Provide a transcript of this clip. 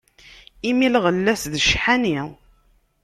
Imi lɣella-s d cḥani.